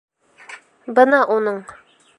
Бына уның